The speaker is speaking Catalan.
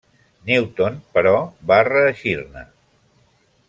Newton, però, va reeixir-ne.